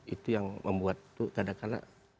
itu yang membuat itu kadang kadang